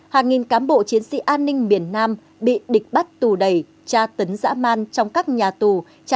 hàng nghìn cán bộ chiến sĩ an ninh miền nam bị địch bắt tù đầy tra tấn dã man trong các nhà tù